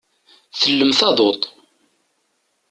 Tellem taḍuṭ.